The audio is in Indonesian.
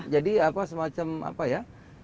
jadi semacam apa ya